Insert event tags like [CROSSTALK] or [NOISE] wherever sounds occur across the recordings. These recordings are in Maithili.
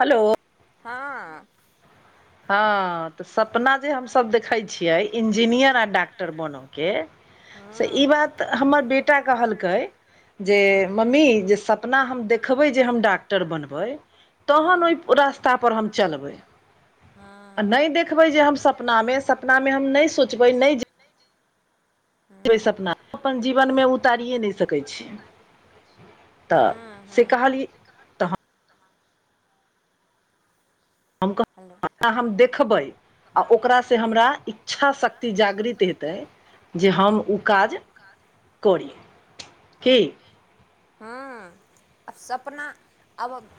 हेलो हँ हँ तऽ सपना जे हम सभ देखे छियै इंजीनियर आ डॉक्टर बन के से हँ ई बात हमर बेटा कहलकै हँ जे मम्मी जे सपना हम देखबै जे हम ड डॉक्टर बनबै तहन ओहि रास्ता पर हम चलबै चलबै आ हँ नहि देखबै जे हम सपना मे सपना मे हम नहि सोचबै न ओहि हँ सपना अपन जीवन म उतारियए नहि सकैत छी [INAUDIBLE] तऽ हँ से हँ कहलिए [UNINTELLIGIBLE] हेलो हम देखबै आ ओकरा सँ हमरा इच्छा शक्ति जागृत हेतै जे हम ओ काज करी [INAUDIBLE] की [UNINTELLIGIBLE] आब सपना आब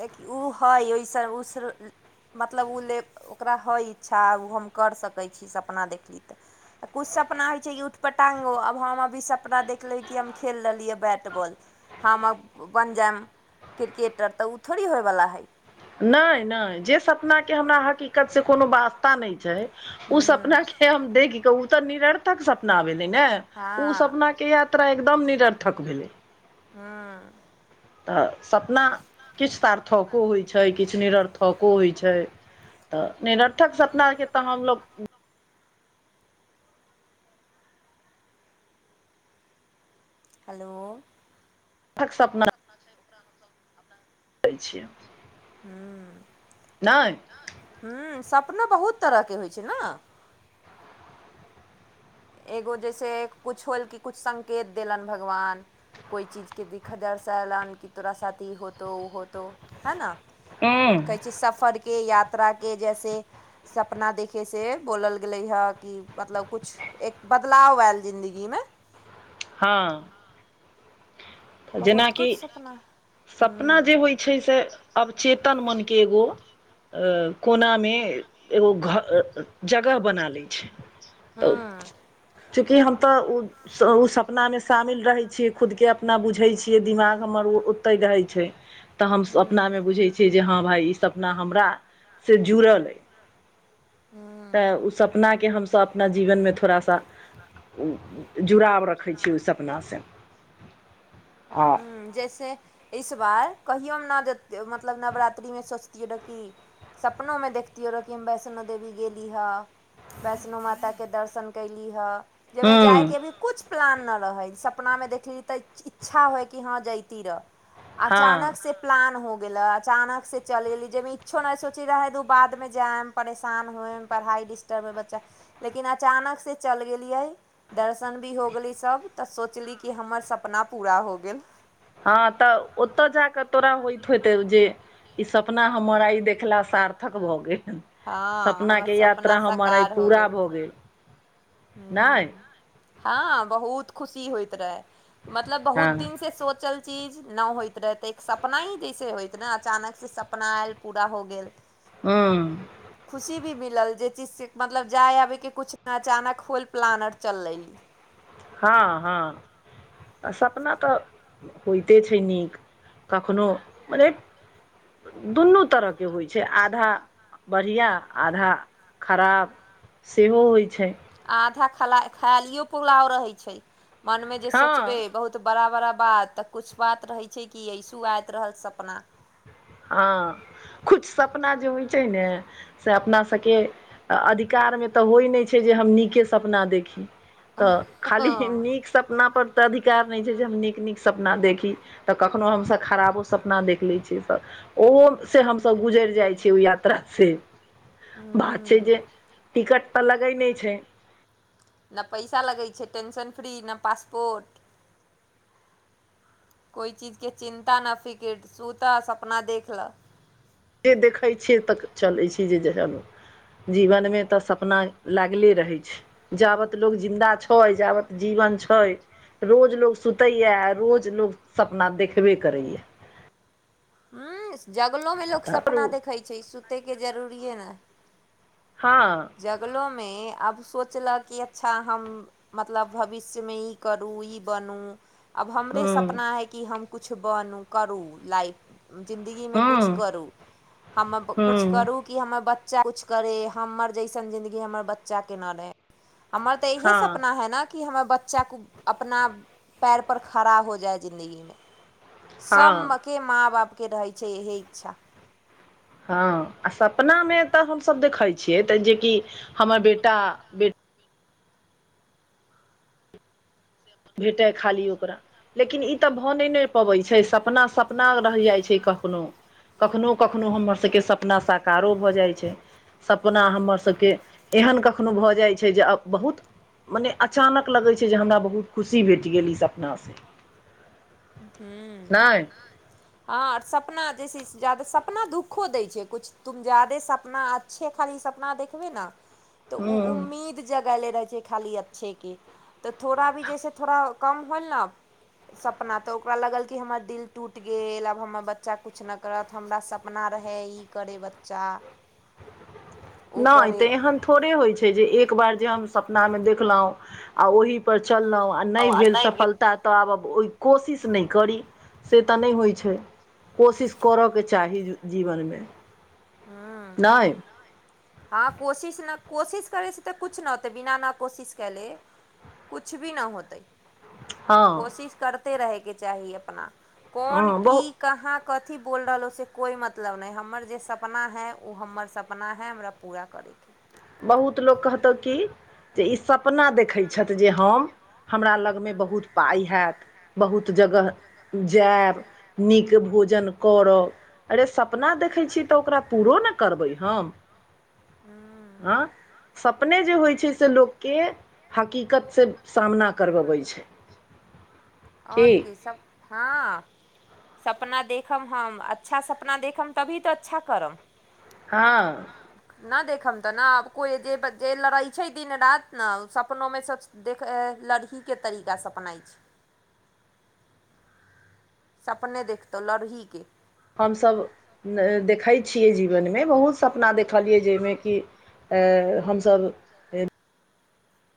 देखि [UNINTELLIGIBLE] मतलब ओ ले ओकरा हइ इच्छा ओ हम करि सकै छी सपना देखली तऽ कछु सपना होइ छै कि उठपटांगो आब हम अभी सपना देखलिह कि हम खेल रहलियै बैट बॉल हम अब बनि जायब क्रिकेटर तऽ ओ थोड़ी होयवला हइ नाए नाए जे सपना के हमरा हकीकत से कोनो वास्ता नहि छै उ हूँ सपना के हम देख के ओ तऽ निरर्थक सपना भेलै ने ओ हँ सपना के यात्रा एकदम निरर्थक भेलै [UNINTELLIGIBLE] तऽ सपना किछ सार्थको होइ छै किछु निरर्थको होइ छै तऽ निरर्थक सपनाके तऽ हम लोग हेलो सपना एते छी हूँ नहि हूँ सपनो बहुत तरहके होइ छै न एगो जैसे किछ होल कि किछ संकेत देलनि भगवान कोइ चीज के दिक्कत अरसा एलान क तोरा साथ ई होतो उ होतो है नऽ हु कहै छै सफरके यात्राके जैसे सपना देखैसँ बोलल गेलै हँ कि मतलब किछु एक बदलाव आयल जिन्दगीमे हॅ तऽ बहुत जेनाकि कुछ सपना सपना हूँ जे होइ छै से अब चेतन मनके एगो कोनामे एगो घर जगह बना लै छै तऽ हूँ चूँकि हम तऽ ओ ओ सपना मे शामिल रहै छियै खुद के अपना बुझै छियै दिमाग हमर ओ ओते रहै छै तऽ हम हूँ सपना मे बुझै छियै जे हँ भााय ई सपना हमरा से जुड़ल अय हूँ तऽ ओ सपना के हमस अपना जीवनमे थोड़ा सा जुड़ाव रखै छै ओहि सपनासॅ ह जैसे इस बार कहियोमे नहि देियै मतलब नवरात्रिमे सोचतियै डकी सपनोमे देखतियै रह कि हम वैष्णो देवी गेली ह वैष्णो माताके दर्शन कयली हँ जाहिमे हँ जाइके अभी किु प्लान नहि रहै सपनामे देखली त अच्छा होइ कि हँ जती रहै हँ अचानक से प्लान हो गेलै अचानक से चलि गेली जाहिमे इच्छो नहि सोचै रहै तऽ बादमे जाएम परेशान होए पढ़ाइ डिस्टर्ब होइ बच्चा लेकिन अचानक से चलि गलिए दर्शन भी हो गेली सभ तऽ सोचली कि हमर सपना पूरा हो गेल हँ तऽ ओतय जा कऽ तोरा होइत होइते जे ई सपना हमर आइ देखला सार्थक भऽ गैल हँ सपना हमर के सपना यात्रा हमर आइ साकार हो पूरा भऽ गेल नहि हूँ हँ बहुत खुशी होइत रहे मतलब हँ बहुत दिन से सोचल चीज नहि होइत रहै तऽ एक सपना ही जैसे होइत ने अचानक से सपना आयल पूरा हो गेल हू खुशी भी मिलल जे चीज से मतलब जाय आबे के कुछ अचानक खुल पलानट चललै हॅ हॅ आ सपना तऽ होइते छै नीक कखननो मने दुनू तरहके होइ छै आधा बढ़िआँ आधा खराब सेहो होइत छै आधा ख खायलियो पुलाव रहैत छै मनमे जे सोचबै हँ बहुत तऽ बड़ा बड़ा बात तऽ कछु बात रहै छै कि ऐसू आयइत रहल सपना हँ किछु सपना जे होइ छै ने से अपना सभके आ अधिकारमे तऽ होइत नहि छै जे हम नीके सपना देखी तऽ खाली हँ नीक सपना पर ओतऽ अधिकार नहि छै जे हम नीक नीक सपना देखी तऽ कखनो हमसब खराबो सपना देख लै छियै सभ ओहो से हमसभ गुजरि जाइ छिय ओ यात्रा से बात छै हूँ जे टिकट तऽ लगे नहि छै नहि पैसा लगै छै टेंशन फ्री नहि पासपोर्ट कोइ चीजके चिन्ता न फिकर सुतऽ सपना देखे लह जे देखैत छियै तऽ चलै छी जे जना जीवनमे तऽ सपना लागले रहै छै जाबत लोग जिन्दा छै जाबत जीवन छै रोज लोग सुतै या आ रोज लोग सपना देखबे करैए या हू जगलोमे लोग तऽ सपना देखैत छै सुतैके जरूरिए ने हँ जगलोमे आब सोचलक कि अच्छा हम मतलब भविष्यमे ई करू ई बनू आब हमरे हूँ सपना हइ कि हम कुछ बनू करू लाइफ जिन्दगीमे कुछ हूँ करू हम कुछ हूँ करू की हमर बच्चा कुछ करे हमर जैसन जिंन्दगी हमर बच्चा के न रहे अमर तऽ इहे हँ सपना है न कि हमर बच्चा अपना पैर पर खड़ा हो जाए जिन्दगीमे हँ सभके माँ बापके रहैत छै इहे इच्छा हँ आ सपना मे तऽ हमसभ देखै छियै तऽ जेकि हमर बेटा बेटी भेटय अइ खाली ओकर लेकिन ई तऽ भऽ नहि नहि पबैत छै सपना सपना रह जाइत छै कखनो कखनो कखनो हमर सबके सपना साकारो भऽ जाइ छै सपना हमर सबके एहन कखनो भऽ जाइ छै जे जब बहुत मने अचानक लगै छै जे हमरा बहुत खुशी भेट गेल ई सपनासँ हुँ हँ नहि आर सपना जेसे जादा सपना दुखो दै छै कुछ तुम जादे सपना अच्छे खाली सपना देखबे न त हूँ उम्मीद जगहले रहे छै खाली अच्छे के तऽ थोड़ा भी जैसे थोड़ा कम होल ने सप हँ तऽ ओकरा लागल कि हमर दिल टूटि गेल आब हमर बच्चा कुछ नहि करत हमरा सपना रहै ई करै बच्चा उ नय करे तऽ ऐहन थोड़े होइ छै जे एक बार जे हम सपना मे देखलहुं आ ओहि पर चलहुं आ नहि भेल सफलता तऽ आब ओहि कोशिश नहि करी से तऽ नहि होइ छै कोशिश करऽ के चाही जीवनमे हूँ नय हँ कोशिश ने कोशिश करै छी तऽ कुछ नहि होतै बिना नहि कोशिश क ले कुछ भी न होतै हँ कोशिश करते रहके चाही अपना हँ कोन बहु की कहाँ कथी बोल रहलों से कोइ मतलब नहि हमर जे सपना सपना है ओ हमर सपना है हमरा पूरा करैके बहुत लोक कहतहु कि जे ई सपना देखैत छथि जे हम हमरा लगमे बहुत पाइ हैइ बहुत जगह जायब नीक भोजन करब अरे सपना देखै छीयै तऽ ओकरा पूरो ने करबै हम हँ हँ सपने जे होइत छै से लोक के हकीकतसँ सामना करवाबै छै [INAUDIBLE] और की सभ हँ सपना देखब हम अच्छा सपना देखब तभी तऽ अच्छा करम हँ न देखब तऽ ने कोई जे लड़ै छै दिन रात ने सपनो मे देख लड़ ही के तरीकासँ सपनाए छै सपने देखतहुँ लड़ ही के हम सभ देखै छियै जीवनमे बहुत सपना देखलियै जाहिमे कि ऐ हम सभ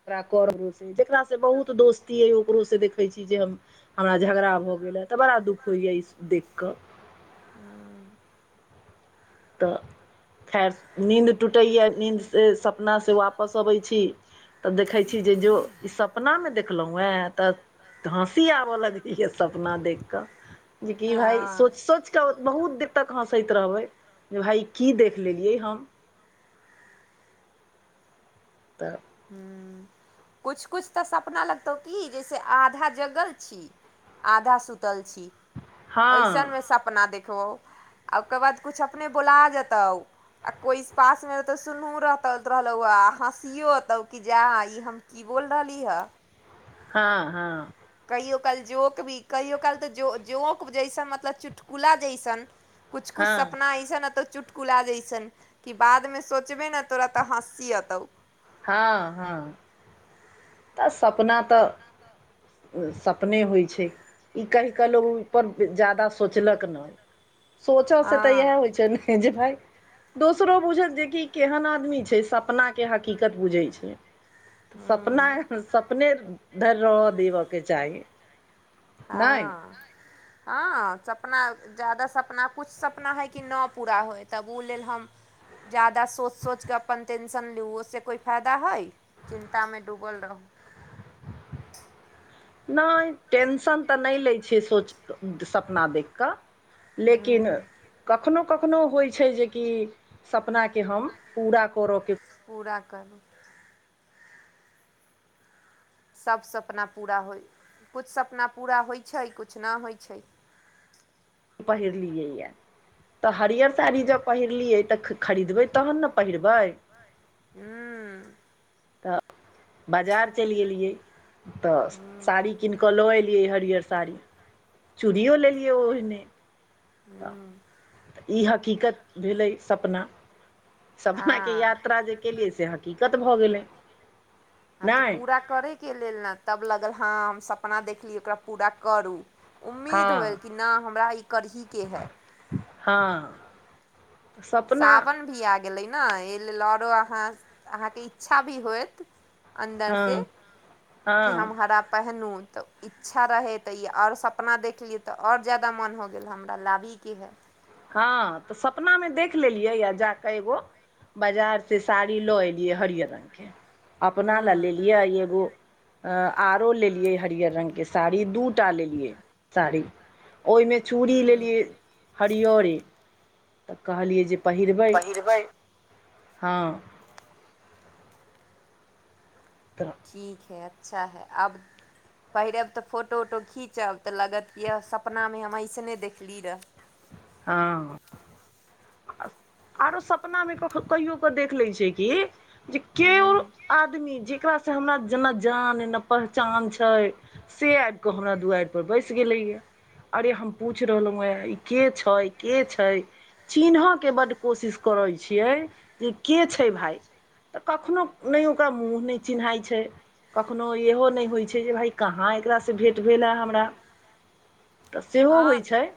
[UNINTELLIGIBLE] जकरासँ बहुत दोस्ती अइ ओकरोसँ देखैत छी जे हम हमरा झगड़ा भऽ गेलए तऽ बड़ा दुःख होइ ई सब देख कऽ [UNINTELLIGIBLE] तऽ खैर नींद टूटैए नींद स सपनासँ वापस अबै छी तब देखे छी जे जो ई सपना में देखलहुं ह तऽ हँसी आब ल इहे सपना देखिकऽ जे कि भाय हँ सोचि सोचिकऽ बहुत देर तक हंसैत रहबै जे भाय की देख लेलियै हम तऽ [UNINTELLIGIBLE] कुछ कुछ तऽ सपना लगतौ की जैसे आधा जगल छी आधा सुतल छी [INAUDIBLE] ऐसन हँ मे सपना देख तो ओकर बाद कुछ अपने बोला जेतौ आ कोइ पास म रह तऽ सुनहु रहलौ हँसियो कि जा ई हम की बोल रहली हँ हँ हँ कहि यो काइल जोक भी कहियो काल तऽ जो जोक जैसन मतलब चुटकुला जैसन कुछ कुछ हँ सपना ऐसन ऐ तो चुट चुटकुला जाइ छन कि बादमे सोचबे ने तोरा तऽ हँसी एतौ हँ हँ तऽ सपना तऽ [INAUDIBLE] सपने होइ छै ई कहि कऽ लोको ओहि पर ज्यादा सोचलक नहि सोचयसँ तऽ हँ इएह होइ छै ने ई जे हैं दोसरो बुझत जेकि केहन आदमी छै सपना के हकीकत बुझैत छै [UNINTELLIGIBLE] नाए सपने धरि रहऽ दैब के चाहि हँ [UNINTELLIGIBLE] हँ सपना ज्यादा सपना किछु सपना हइ कि न पूरा होय तब ओ लेल हम ज्यादा सोचि सोचि कऽ अपन टेंशन लिउ ओ स कोइ फायदा होय चिंता में डूबल रहू नाए टेंशन तऽ नहि लै छै सोच सपना देखि कऽ लेकिन ह कखनो कखनो होइ छै जे कि सपना के हम पूरा करय के पूरा करू सभ सपना पूरा होइ कुछ सपना पूरा होइत छै कुछ न होइत छै पहिर लिए आ तऽ हरियर साड़ी जब पहिरलियै तऽ खरीदबै तहन ने पहिरबै हूँ तऽ बजार चलि गेलियै तऽ साड़ी कीन कऽ लऽ एलियै हरियर साड़ी चूड़ियो लेलियै ओहिने तऽऽ ई हकीकत भेलै सपना सपनाके हँ यात्रा जे केलियै से हकिकत भऽ गेलै हँ तऽ नहि पूरा करयके लेल ने तब लागल हँ हम सपना देखली ओकरा पूरा करू हँ उम्मीद होएल कि नहि हमरा ई करहीके है हँ सपना सावन भी आ गेलै ने एहि लेल आओरो अहाँ अहाँके इच्छा भी होयत हँ अन्दरसँ हँ कि हम हरा पहिनो त इच्छा रहै तऽ ई आओर सपना देखलियै तऽ आओर जादा मोन हो गेल हमरा लाबिहिके है हँ तऽ सपना में देख लेलियै आ जाके एगो बाजार से साड़ी लो एल हरिअर रंगके अपना लए लेलियै एगो आरो लेलियै हरियर रङ्गके साड़ी दू टा लेलियै साड़ी ओहिमे चूड़ी लेलियै हरिअरे तऽ कहलियै जे पहिरबै हइ हँ तऽ ठीक है अच्छा है आब पहिरब तऽ फोटो उटो खीचब तऽ लागत किए सपनामे हम अईसने देखली रहए हँ आरो सपना मे कहियो कऽ देख लै छै की जे केओ आदमी जकरासँ हमरा जेना जान नऽ पहचान छै से आब कऽ हमरा दुआरि पर बैस गेले ये अरे हम पूछ रहलहु हे ई के छै के छै चिन्ह के बड कोशिश करै छियै जे के छै भाय तऽ कखनो नहि ओकरा मुँह नहि चिन्हइ छै कखनहु इहो नहि होइ छै जे भाय कहाँ एकरासँ भेट भेल हए हमरा तऽ सेहो हँ होइत छै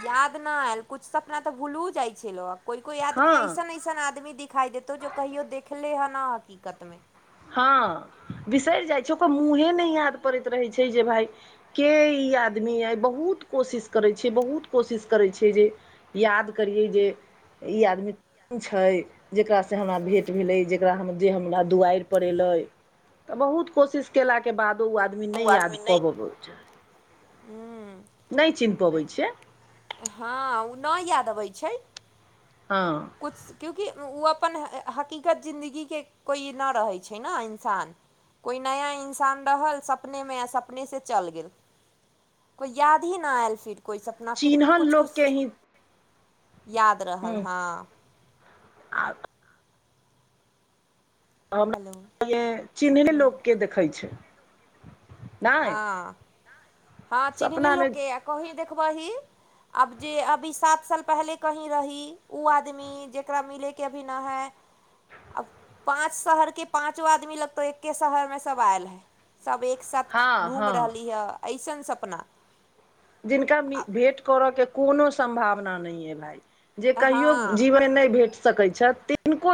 याद नहि आयल किछु सपना तऽ भूलू जाइ छै लोक कोइ कोइ आदमी हँ अइसन अइसन आदमी दिखाइ देतौ जो कहियो देखले हँ न हकीकतमे हँ बिसरि जाई छै ओकर मूँहे नहि याद पड़ैत रहै छै जे भाय के ई आदमी अइ बहुत कोशिश करै छियै बहुत कोशिश करै छियै जे याद करियै जे ई आदमी कोन छै जकरासँ हमरा भेँट भेलै जकरा हम जे हमरा दुआरि पड़ेलै तऽ बहुत कोशिश केलाके बादो ओ आदमी नहि याद पऽ पबै छै हूँ नहि चिन्ह पबै छैियै हँ ओ नहि याद अबै छिये हँ कुछ क्योकि ओ अपन हकीकत जिन्दगीके कोइ न रहै छै नऽ इंसान कोइ नया इन्सान रहल सपनेमे आ सपनेसँ चलि गेल कोइ याद ही न आयल फिर कोइ सपना कि चिन्हल कुछ लोकके कुछ ही याद हुँ रहल हाँ आ हेलो हमरा चिनहले हूँ लोकके देखै छै नहि हँ हँ चिन्निली सपनामे लोककेँ कही देखबही अब जे अवि साँत साल पहले कहीं रही उ आदमी ई जेकरा मिले के अभी ना हैय आब पाँच शहरके पाँचो आदमी लगतौ एक्के शहरमे सब आयल हय सभ एक साथ हँ घूम हँ रहली हे अइसन सपना जिनका आ भेँट करयके कोनो सम्भावना नहि अइ भाय जे कहियो हाँ जीवन मे नहि भेट सकैत छथि तिनको